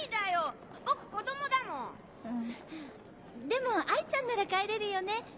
でも哀ちゃんなら帰れるよね？